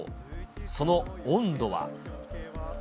その温度は。